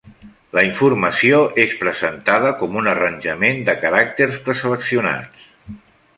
La informació és presentada com un arranjament de caràcters preseleccionats.